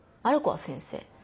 ある子は先生。